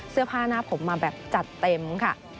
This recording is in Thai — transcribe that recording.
เสื้อผ้าหน้าผมมาแบบจัดเต็มค่ะ